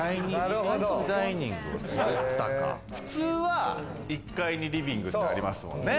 普通は１階にリビングがありますもんね。